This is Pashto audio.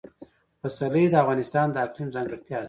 پسرلی د افغانستان د اقلیم ځانګړتیا ده.